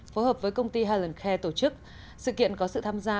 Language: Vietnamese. phối hợp với công ty helen care tổ chức sự kiện có sự tham gia